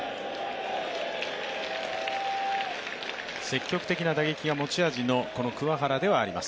積極的な打撃が持ち味の、この桑原ではあります。